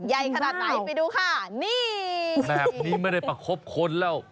ใหญ่ขนาดไหนไปดูค่ะนี่แบบนี้ไม่ได้ประคบคนแล้ว